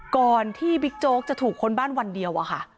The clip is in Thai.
ก่อนที่บิ๊กโจ๊กจะถูกค้นบ้านวันเดียวอะค่ะ